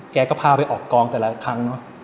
แกก็พาไปออกกองแต่ละครั้งเนอะ